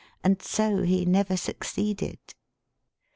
And so he never succeeded.'